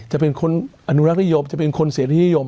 จะเป็นคนอนุรักษ์นิยมจะเป็นคนเสียที่นิยม